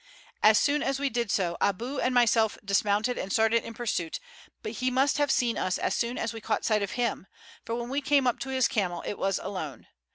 As soon as we did so Aboo and myself dismounted and started in pursuit; but he must have seen us as soon as we caught sight of him, for when we came up to his camel it was alone.